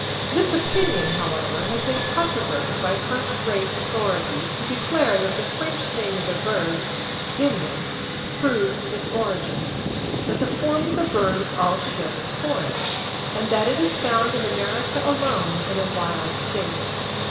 This opinion, however, has been controverted by first rate authorities, who declare that the French name of the bird, dindon, proves its origin; that the form of the bird is altogether foreign, and that it is found in America alone in a wild state.